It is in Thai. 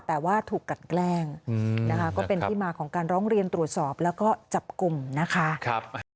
แต่ว่าถูกกันแกล้งนะคะก็เป็นที่มาของการร้องเรียนตรวจสอบแล้วก็จับกลุ่มนะคะ